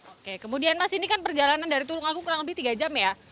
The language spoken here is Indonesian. oke kemudian mas ini kan perjalanan dari tulung agung kurang lebih tiga jam ya